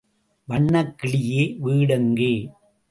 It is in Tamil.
வண்ணக் கிளியே, வீடெங்கே?